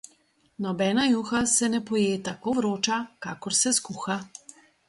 Nobena juha se ne poje tako vroča, kakor se skuha.